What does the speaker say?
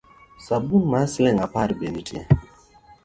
Sabun mar siling’ apar be nitie?